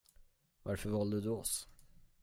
Varför valde du oss?